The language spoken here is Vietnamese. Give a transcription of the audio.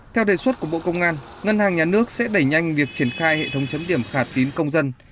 theo đề xuất của bộ công an ngân hàng nhà nước sẽ đẩy nhanh việc triển khai hệ thống chấm điểm khả tín công dân